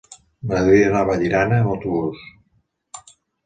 M'agradaria anar a Vallirana amb autobús.